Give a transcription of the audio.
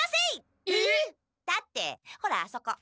えっ！？だってほらあそこ。